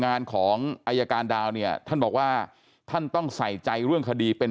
งานของอายการดาวเนี่ยท่านบอกว่าท่านต้องใส่ใจเรื่องคดีเป็น